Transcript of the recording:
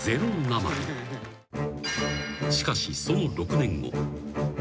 ［しかしその６年後］